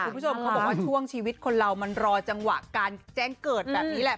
คุณผู้ชมเขาบอกว่าช่วงชีวิตคนเรามันรอจังหวะการแจ้งเกิดแบบนี้แหละ